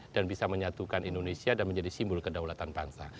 dan bisa menyatukan indonesia dan menjadi simbol kedaulatan bangsa